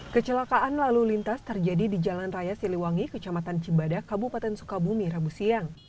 kecelakaan lalu lintas terjadi di jalan raya siliwangi kecamatan cibadak kabupaten sukabumi rabu siang